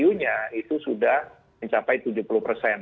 untuk icu nya itu sudah mencapai tujuh puluh persen